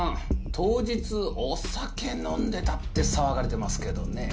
当日お酒飲んでたって騒がれてますけどねぇ。